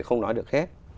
không nói được hết